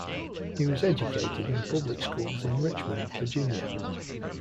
He was educated in public schools in Richmond, Virginia.